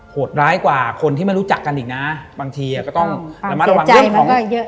โหดร้ายกว่าคนที่ไม่รู้จักกันอีกนะบางทีอ่ะก็ต้องระมัดระวังเรื่องของ